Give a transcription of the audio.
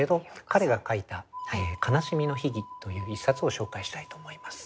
彼が書いた「悲しみの秘義」という一冊を紹介したいと思います。